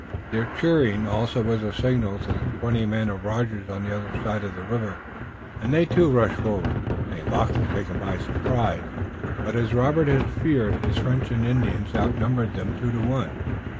Their cheering also was a signal to the twenty men of Rogers on the other side of the river, and they, too, rushed forward. St. Luc was taken by surprise, but, as Robert had feared, his French and Indians outnumbered them two to one.